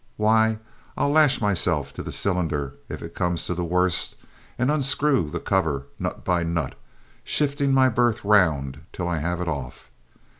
Why, I'll lash myself to the cylinder if it comes to the worse and unscrew the cover nut by nut, shifting my berth round till I have it off.